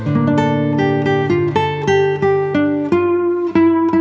una uang b isu itu